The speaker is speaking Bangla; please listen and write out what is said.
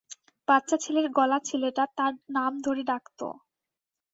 বাচ্চা ছেলের গলা ছেলেটা তাঁর নাম ধরে ডাকত।